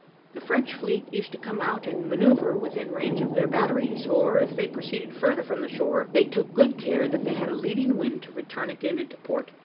The French fleet used to come out and manoeuvre within range of their batteries; or, if they proceeded further from the shore, they took good care that they had a leading wind to return again into port.